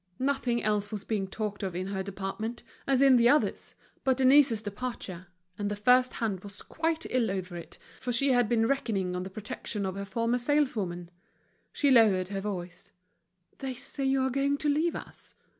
Nothing else was being talked of in her department, as in the others, but Denise's departure; and the first hand was quite ill over it, for she had been reckoning on the protection of her former saleswoman. She lowered her voice: "They say you're going to leave us.